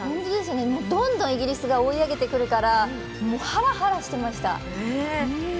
どんどんイギリスが追い上げてくるからハラハラしていました。